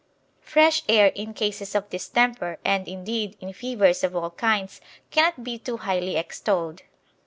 Fresh air in cases of distemper, and, indeed, in fevers of all kinds, cannot be too highly extolled.